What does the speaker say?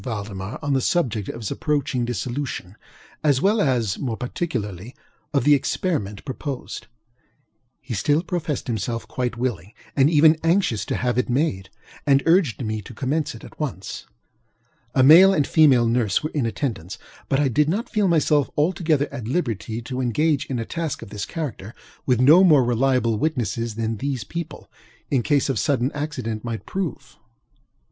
Valdemar on the subject of his approaching dissolution, as well as, more particularly, of the experiment proposed. He still professed himself quite willing and even anxious to have it made, and urged me to commence it at once. A male and a female nurse were in attendance; but I did not feel myself altogether at liberty to engage in a task of this character with no more reliable witnesses than these people, in case of sudden accident, might prove.